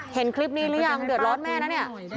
เห็นคลิปนี้หรือยังเดือดร้อนแม่นะเนี่ย